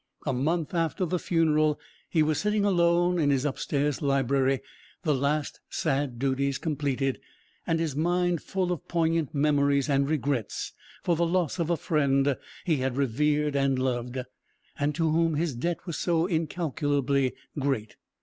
A month after the funeral he was sitting alone in his upstairs library, the last sad duties completed, and his mind full of poignant memories and regrets for the loss of a friend he had revered and loved, and to whom his debt was so incalculably great.